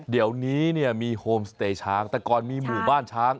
เดี๋ยวนี้เนี่ยมีโฮมสเตย์ช้างแต่ก่อนมีหมู่บ้านช้าง